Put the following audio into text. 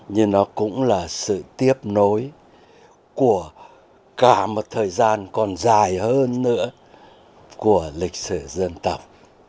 nhưng nó cũng là sự tiếp nối của cả một thời gian còn dài hơn nữa của lịch sử dân tộc